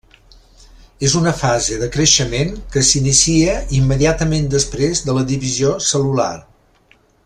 És una fase de creixement que s'inicia immediatament després de la divisió cel·lular.